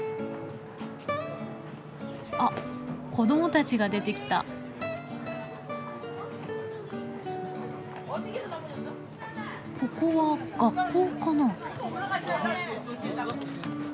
あっ子供たちが出てきた。ここは学校かな？